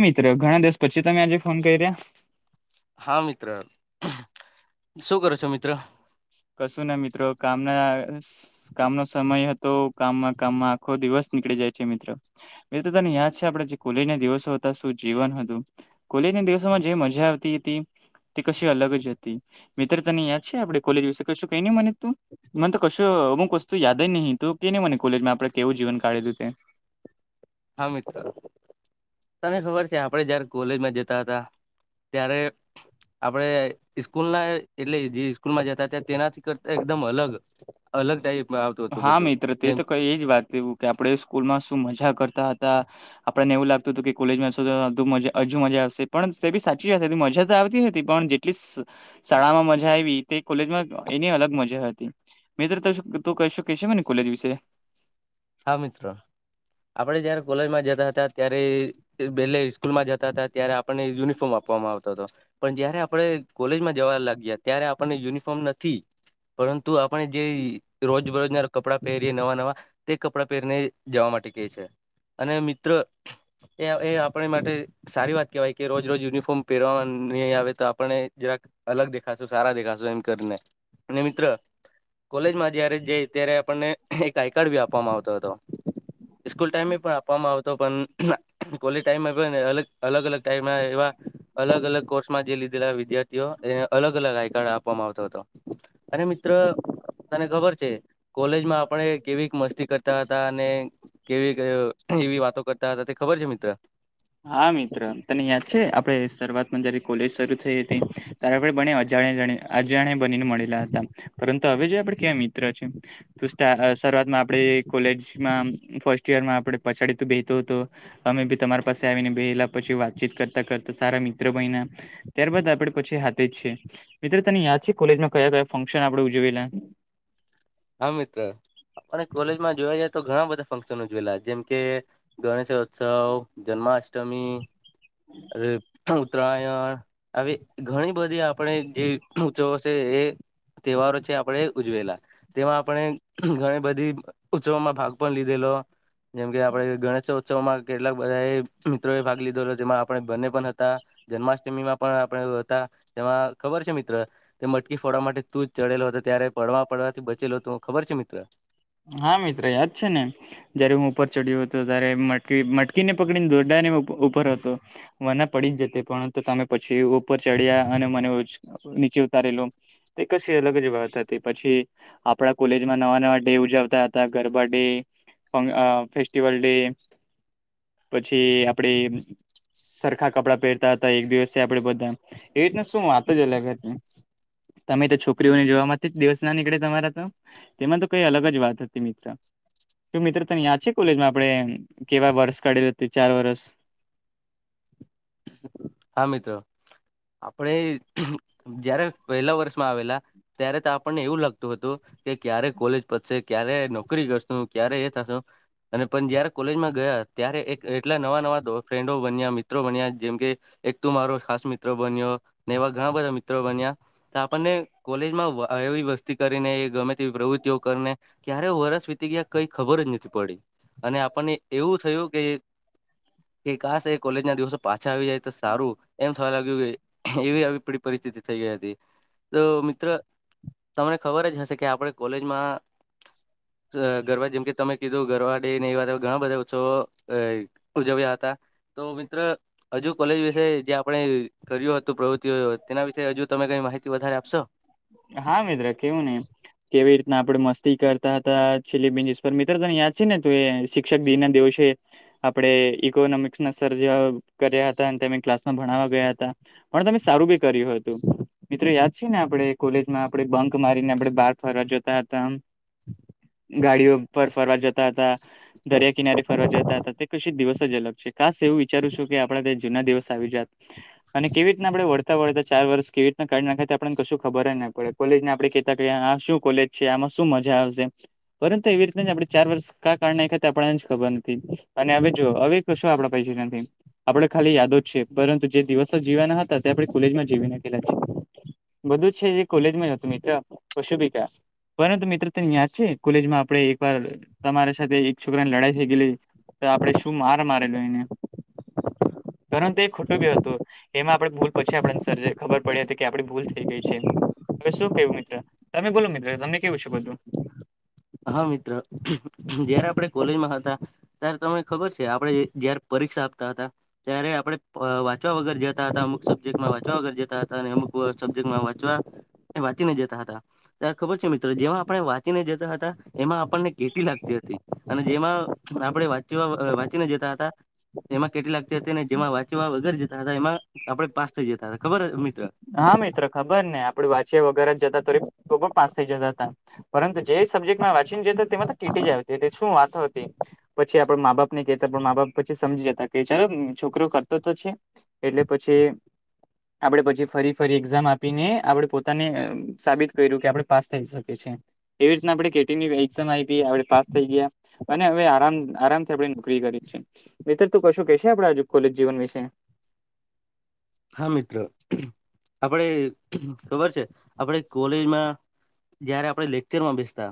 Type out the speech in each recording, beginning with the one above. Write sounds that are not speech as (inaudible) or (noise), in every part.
મિત્ર ઘણા દિવસ પછી તમે આજે ફોન કરી રહ્યો? હા, મિત્ર શું કરો છો મિત્ર? કશું નહી મિત્ર કામના કામનો સમય હતો કામમાં કામમાં આખો દિવસ નીકળી જાય છે મિત્ર. એ તો તને યાદ છે આપડે જે કોલેજ ના દિવસો હતા શું જીવન હતું. કોલેજ ના દિવસોમાં જે મજા આવતી હતી. તે કશી અલગ જ હતી મિત્ર તને યાદ છે આપણે કોલેજ વિશે કશું કે મને તું મને કશું અમુક વસ્તુ યાદ જ નહિ તો કેને મને કોલેજમાં આપણે કેવું જીવન કાઢીધું તે. હા મિત્ર. તને ખબર છે આપડે જયારે કોલેજમાં જતા હતા ત્યારે આપડે સ્કૂલ ના એટલે જે સ્કૂલમાં જતા હતા તેનાથી કરતા એકદમ અલગ અલગ ટાઈપ હા મિત્ર તે તો કઈ એ જ વાત લવું કે આપડે સ્કૂલમાં શું મજા કરતા હતા. આપણને એવું લાગતું હતું કે કોલેજમાં જશું મજા આવશે પણ તે બી સાચી જ મજા તો આવતી હતી પણ (unintelligible) શાળામાં મજા આવી તે કોલેજમાં એની અલગ મજા હતી મિત્ર તું કેસો મને કોલેજ વિશે. હા, મિત્ર આપડે જયારે કોલેજમાં જતા હતા ત્યારે બેલે સ્કૂલ માં જતા હતા ત્યારે આપણને યુનિફોર્મ આપવામાં આવતો હતો. પણ જયારે આપણે કોલેજમાં જવા લાગ્યા ત્યારે આપણને યુનિફોર્મ નથી પરંતુ આપણે જે રોજબરોજના કપડાં પહેરીએ નવા નવા તે કપડાં પહેરીને જવા માટે કહે છે અને મિત્ર એ એ આપણે માટે સારી વાત કહેવાય કે રોજ રોજ યુનિફોર્મ પહેરવાવામાં નહીં આવે તો આપણને જરાક અલગ દેખાશું સારા દેખાશુ એમ કરીને અને મિત્ર કોલેજમાં જયારે જે જ્યારે આપણને એક (unintelligible) આપવામાં આવતો હતો સ્કૂલ ટાઈમે પણ આપવામાં આવતો પણ કોલી ટાઈમમાંને અ અલગ અલગ ટાઈમે એવા અલગ અલગ કોર્સમાં જે લીધેલા વિદ્યાર્થીઓ એને અલગ અલગ આઈકાર્ડ આપવામાં આવતો હતો. અને મિત્ર તને ખબર છે કોલેજમાં આપણે કેવી કા મસ્તી કરતા હતા અને કેવી ક એવી વાતો કરતા હતા તે ખબર છે મિત્ર. હા મિત્ર તને યાદ છે આપણે શરૂઆત માં જારી કોલેજ શરૂ થઈ હતી ત્યારે પણ બને અજાણ જા આજે જાણે બનીને મળેલા હતા પરંતુ હવે જે આપડે ક્યાવા મિત્ર છે. શરૂઆતમાં આપે કોલેજમાં ફર્સ્ટ યરમાં આપે પછાડી તું બેતો હતો અમે બી તમારી પાસે આવીને બેલા પછી વાતચીત કરતા કરતા સારા મિત્ર બયના ત્યારબાદ આપે પછી હાથે જ છે મિત્રો તને યાદ છે કોલેજમાં કયા કયા ફંક્શન આપડે ઉજવેલા. હા મિત્ર આપને કોલેજમાં જોયા જાય તો ઘણા બધા ફંક્શનો જોયેલા જેમ કે ગણેશ ઉત્સવ જન્માષ્ટમી (unintelligible) હું ઉત્તરાયણ આવી ઘણી બધી આપણે જે ઉત્સવ છે એ તહેવારો છે આપડે ઉજવેલા. તેમાં આપણે ઘણી બધી ઉત્સવમાં ભાગ પણ લીધેલો જેમ કે આપડે ગણેશ ચૌ ઉસવમાં કેટલાક બધા એ મિત્રોએ ભાગ લીધો હતો જેમાં આપણે બંને પણ હતા જન્માષ્ટમીમાં પણ આપણે હતા. તેમાં ખબર છે મિત્ર કે મટકી ફોડવા માટે તું જ ચડેલો હતો ત્યારે પડવા પડવાથી ચલો તો ખબર છે મિત્ર. હા મિત્ર યાદ છે ને. જયારે હું ઉપર ચડ્યો હતો ત્યારે મટ મટકીને પકડીને દોરડાને ઉપર હતો. વ ના પડી જ જતી પરંતુ તમે પછી ઉપર ચડ્યા અને મને ઉચ નીચે ઉતારેલું તે કશી અલગ જ બાબત હતી પછી આપણા કોલેજમાં નવા નવા ડે ઉજવતા હતા ગરબા ડે આ ફેસ્ટિવલ ડે પછી આપડે સરખા કપડાં પહેરતા હતા એક દિવસે આપડે બધા એવી રીતને શું વાત જ અલગ હતી. તમે તો છોકરીઓને જોવા માટે દિવસ ના નીકળે તમારા તો તેમાં તો કઈ અલગ જ વાત હતી મિત્ર. તો મિત્ર તને યાદ છે કોલેજમાં આપડે કેવા વર્ષ કાઢેલું હતી ચાર વર્ષ. હા મિત્રો આપડે જયારે પહેલા વર્ષમાં આવેલા ત્યારે તો આપણને એવું લાગતું હતું. કે ક્યારે કોલેજ પડશે ક્યારે નોકરી કરશો ક્યારે એ થતો. અને પણ જયારે કોલેજમાં ગયા ત્યારે એક એટલા નવા નવા દો ફ્રેન્ડો બન્યા મિત્રો બન્યા. જેમ કે એક તું મારો ખાસ મિત્રો બન્યો ને એવા ઘણા બધા મિત્રો બન્યા. આપણને કોલેજમાં એવી વસ્તી કરીને એ ગમે તેવી પ્રવૃત્તિઓ કરને ક્યારે વરસ વીતી ગયા કઈ ખબર જ નથી પડી અને આપણને એવું થયું કે કે કસ એ કોલેજના દિવસો પાછા આવી જાય તો સારું એમ થવા લાગ્યું કે એવી આવી પડી પરિસ્થિતિ થઈ ગઈ હતી. તો મિત્ર તમને ખબર જ હશે કે આપણે કોલેજમાં અ ગરબ જેમ કે તમે કીધું ગરબા ડે ને એ વાત ઘણા બધા ઉત્સવો અ ઉજવ્યા હતા તો મિત્ર હજુ કોલેજ વિશે જે આપણે કર્યું હતું પ્રવૃત્તિઓ તેના વિશે હજુ તમે કઈ માહિતી વધારે આપશો હા મિત્ર કેવું નહી કેવી રીતના આપડે મસ્તી કરતા હતા ચીલીબીન મિત્ર તને યાદ છે ને ત શિક્ષક દિ ના દિવસે આપણે ઈકોનોમિક્સ ના સર જેવા કર્યા હતા અને તેમમે ક્લાસમાં ભણાવવા ગયા હતા પણ તમે સારું બી કર્યું હતું મિત્રો યાદ છે ને આપણે કોલેજમાં આપડે બંક મારીને આપડણે બહાર ફરવા જોતા હતા આમ ગાડીઓ પર ફરવા જતા હતા દરિયા કિનારી ફરવા જતા હતા તે કશી દિવસ જ અલગ છે ખાસ એવું વિચારું છું કે આપડ દિવસ આવીત અને કેવી રીતના આપણે વળતા વળતા ચાર વર્ષ કેવીીતના કઢ નાખ આપ કશું ખબર જ ના પડે કોલેજને આપડ કતા આ શું કોલેજ છે આમાં શું મજા આવશે પરંતુ એવી રીતેના જ આપણે ચાર વર્ષ કા કાડ નાખીયા આપણને જ ખબર નથી અને હવે જો હવે કશું આપડા (unintelligible) આપણે ખાલી યાદો જ છે પરંતુ જે દિવસો જીવાના હતા તે આપણે કોલેજ માં જીવી નાખેલા છે (inaudible) બધું જ છે જે કોલેજ માં હતું મિત્ર પશુપિકા પરંતુ મિત્રો તને યાદ છે કોલેજમાં આપડે એક વાર તમારા સાથે એક છોકરાની લડાઈ થઈ ગયેલી તો આપડણે શું માર મારેલ એને પરંતુ એ ખોટું બી હતું એમાં આપડણે ભૂલ પછી આપ સર ખબર પડી હતી કે આપ ભૂલ થઈ ગઈ છે હવે શું કેું મિત્ર તમે બોલો મિત્ર તમે કેવું છે બધું હા મિત્રો જયારે આપડ કોલેજમાં હતા ત્યારે તમને ખબર છે આપણે જયારે પરીક્ષા આપતા હતા ત્યારે આપડણે વાંચવા વગર જતા હતા અમુક સબ્જેક્ટમાં વાંચવા વગર જતા હતા અને અમુક સબ્જેક્ટમાં વાંચવા વાંચીને જતા હતા ત્યારે ખબર છે મિત્રો જેવા આપણે વાંચીને જતા હતા એમાં આપણને કેટી લાગતી હતી અને જેમાં આપણે વાંચ વાંચીને જતા હતા એમાં કેટિ લગતી હતી ને જેમાં વાંચવા વગર જતા હતા એમાં આપડે પાસ થ જતા હતા ખબર મિત્ર હા મિત્ર ખબર ને આપડું વાંચ્ય વગેરે જ જતા તો તો પણ પાસ થઈ જતા હતા પરંતુ જે સબ્જેક્ટમાં વાંચી જે તેમાં તો કેટી જા આવતી શું વાત હતી પછી આપડ મા બાપ ને કહેતા પણ મા બાપ પછી સમજી જતા કે ચાલો છોકરી કરતો તો છે એટલે પછી આપડે પછી ફરી ફરી એક્ઝામ આપીને આપડે પોતાને સાબિત કર્યું કે આપડણે પાસ થઈ શકે છે એવી રીતના આપણે કેટીની એક્ઝામ આયપી આપણે પાસ થઈ ગયા અને હવે આરામ આરામથી આપણે નોકરી કરી છે મિત્ર તો કશું કે છે આપણાજ કોલેજ જીવન વિશે હા મિત્ર આપડ ખબર છે આપણે કોલેજમાં જયારે આપણે લેક્ચરમાં બેસતા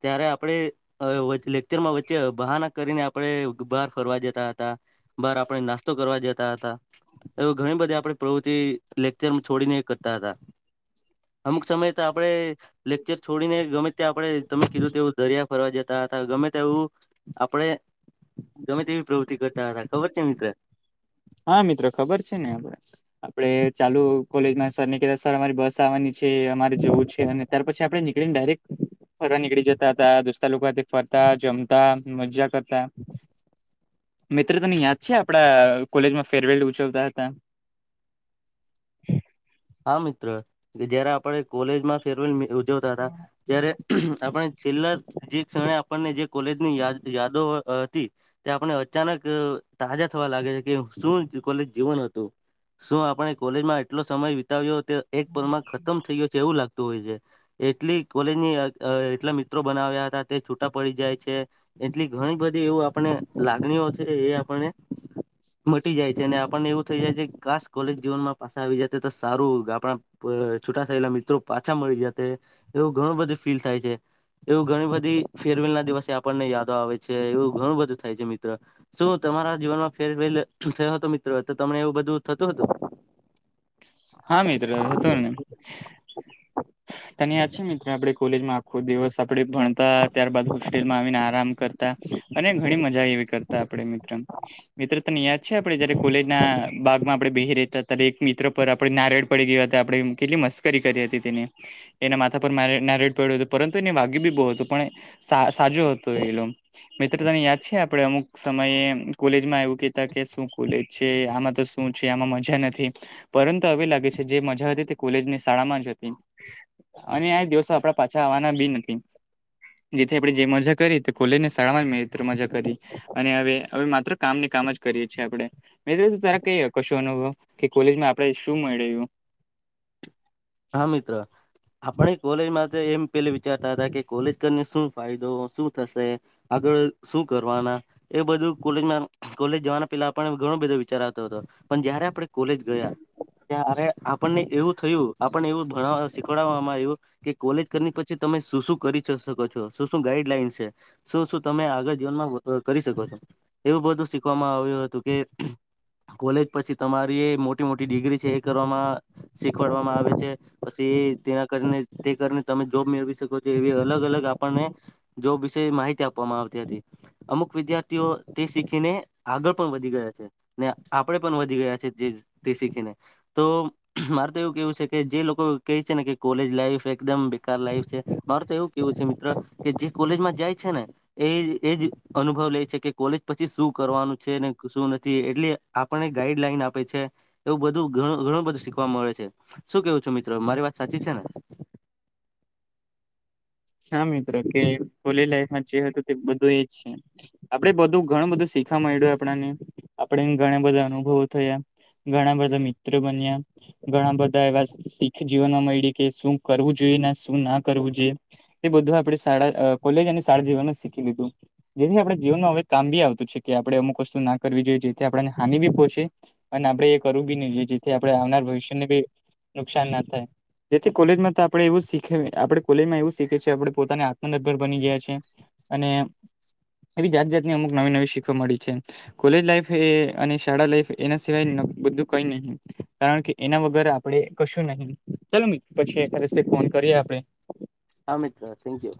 ત્યારે આપણે લેક્ચરમાં વચ્ચે બહાનાક કરીને આપણે બહાર ફરવા જતા હતા બહાર આપણે નાસ્તો કરવા જતા હતા એવ ઘણી બધી આપે પ્રવૃત્તિ લેકચર છોડીને કરતા હતા અમુક સમય તો આપડે લેકચર છોડીને ગમે ત્યાં આપણે તમે કીધું તેવું દરિયા ફરવા જતા હતા ગમે વું આપડે ગમે તેવી પ્રવૃતિ કરતા હતા ખબર છે મિત્ર હા મિત્રો ખબર છે ને આપડ આપડે ચાલુ કોલેજમાં સર ને કતા અમારી બસ આવવાની છે અમારે જવું છે અને ત્યાર પછી આપડે નીકળી ને ડાયરેક્ટ નીકળી જતા હતા દોસ્તા લોકો ફરતા જમતા મજા કરતા મિત્ર તને યાદ છે આપડા કોલેજમાં ફેરવેલ ઉજવતા હતા હા મિત્ર કે જયારે આપડ કોલેજમાં ફેરવેલ ઉજવતા હતા ત્યારે આપણે છેલ્લા જે ક્ષણે આપણને જે કોલેજની યાદ યાદો હતી તે આપણે અચાનક તાજા થવા લાગે છે કે શું કોલેજ જીવન હતુ. શું આપણે કોલેજમાં એટલો સમય વિતાવ્યો તે એક પરમા ખતમ થઈ ગયો છે એવું લાગતું હોય છે. એટલી કોલેજની એટલા મિત્રો બનાવ્યા હતા તે છૂટા પડી જાય છે. એટલી ઘણી બધી એવું આપણે લાગણીઓ છે એ આપને મટી જાય છે અને આપણને એવું થઈ જાય છે, કે ખાસ કોલેજ જીવનમાં પાછસે આવી જ તો સારું આપણા છૂટા થયેલા મિત્રો પાછા મળી જાય તે એવું ઘણું બધું ફીલ થાય છે. એવું ઘણી બધી ફેરવેલ ના દિવસે આપણને યાદો આવે છે, એવું ઘણું બધું થાય છે મિત્ર શું તમારા જીવનમાં ફેરવેલ થયો હતો મિત્રો તો તમને એવું બધું થતું હતુ. હા મિત્ર હતોને તને યાદ છે, મિત્રો આપડે કોલેજમાં આખો દિવસ આપણે ભણતા ત્યારબાદ હોસ્ટેલમાં આવીને આરામ કરતા અને ઘણી મજા એવી કરતા આપડે વિક્રમ મિત્રો તને યાદ છે, આપડે જયારે કોલેજ ના ભાગમાં આપણે બેહી રહેતા ત્યારે એક મિત્ર ઉપ આપડ નારયળ પડી ગયો હતા, આપણે કેટલી મસ્કરી કરી હતી તેને એના માથા પર મા નારેયડ પડ્યો હતો પરંતુ એને વાગ્ય બી બહુ હતુ પણ સા સાજો હ હતો, એલોમ મિત્રતાને યાદ છે આપડે અમુક સમયે કોલેજમાં એવું કતા કે શું કોલેજ છે, આમાં તો શું છે આમાં મજા નથી પરંતુ હવે લાગે છે જે મજા હતી તે કોલેજની શાળામાં જ હતી. અને આ દિવસો આપડા પાછા આવવાના બી નથી. જેથી આપણે જે મજા કરી તે ખોલેને શાળામાં મે મજા કરી અને હવે હવે માત્ર કામ ની કામ જ કરીએ છીએ આપણે મિત્રો તારા કઈ કશો અનુભવ કે કોલેજમાં આપડે શું મળુ હા મિત્ર આપણે કોલેજમાં એમ પેલા વિચારતા હતા કે કોલેજ કરીને શું ફાયદો શું થશે. આગળ શું કરવાના એ બધું કોલેજમાં કોલેજ જવાના પેલા ઘણો બધો વિચારતો હતો, પણ જયારે આપણે કોલેજ ગયા ત્યારે આપણને એવું થયું આપણને એવું ભણાવવા શીખવાડવામાં આવ્યુ કે કોલેજ કર પછી તમે શું શું કરી શકો છો શું શું ગાઈડલાઈન છે. શું શું તમે આગળ જીવનમાં કરી શકો છો એવું બધું શીખવામાં આવ્યું હતુ કે કોલેજ પછી તમારી મોટી મોટી ડિગ્રી છે, એ કરવામાં શીખવાડવામાં આવે છે. પછી ત્યાં કરીને તે કરીને તમે જોબ મેળવી શકો છો, એવી અલગ અલગ આપણને જોબ વિશે માહિતી આપવામાં આવતી હતી અમુક વિદ્યાર્થીઓ તે શીખીને આગળ પણ વધી ગયા છેને, આપણેે પણ વધી ગયા છે જે તે શીખીને તો મારેતો એવું કેવુ જે લોકો કહે છેને, કે કોલેજ લાઈફ એકદમ બેકાર લાઈફ છે, માર તો એવું કેવું છે મિત્ર કે જે કોલેજમાં જાય છેને. એ એજ અનુભવ લે છે કે કોલેજ પછી શું કરવાનું છે, ને શું નથી એટલે આપણને ગાઈડ લઈન આપે છે એવું બધું ઘણું બધું શીખવા મળે છે. શું કેવું છે મિત્ર મારી વાત સાચી છેને. હા મિત્રો કે કોલેજ લાઈફમાં જે હતુ તે બધું એજ છે. આપડે બધું ઘણું બધું શીખવા મળ્યું આપણાને આપણે ઘણા બધા અનુભવો થયા. ઘણા બધા મિત્રો બન્યા ઘણા બધા એવા શીખ જીવનમાં મળ કે શું કરવું જોઈએ શું ના કરવું જોઈએ એ બધું આપણે શાળા કોલેજ અને શાળા જીવનમા જ શીખી લીધું જેથી આપણે જીવનમાં હવે કામ બી આવતું છે કે આપણે અમુક વસ્તુ ના કરવી જોઈએ, જેથી આપને હાનિ બી પહોચે અને આપડે એ કરવું બી નઈ જેથી આપડણે આવનાર ભવિષ્યને બી નુકસાન ના થાય જેથી કોલેજમાં તો આપડે એવું શીખ આપે કોલેજમાં એવુ શી છે આપણે પોતાને આત્મનિર્ભર બની ગયા છે અને એવી જાત જાતની અમુક નવી નવી શીખવા મળી છે. કોલેજ લાઈફ એ અને શાળા લાઈફ એના સિવાય બધું કઈ નહી કારણ કે એના વગર આપણે કશું નહી, ચાલ મિત્ર પછી એકાદ દિવસે ફોન કરીએ આપણે હા મિત્ર થેન્કયુ.